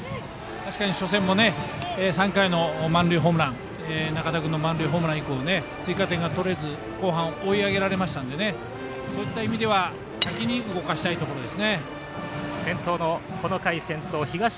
確かに初戦も３回の満塁ホームラン仲田君の満塁ホームラン以降得点が取れず後半、追い上げられましたのでそういった意味では先に動かしたいところです。